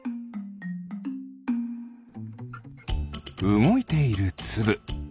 うごいているつぶ。